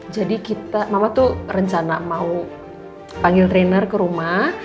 jadi kita mama tuh rencana mau panggil trainer ke rumah